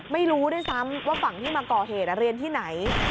ไม่รู้ด้วยซ้ำว่าฝั่งที่มาก่อเหตุเรียนที่ไหน